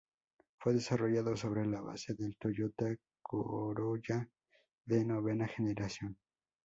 Fue desarrollado sobre la base del Toyota Corolla de novena generación.